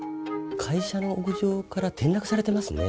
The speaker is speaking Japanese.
会社の屋上から転落されてますね。